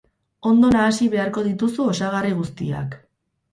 Ondo nahasi beharko dituzu osagarri guztiak.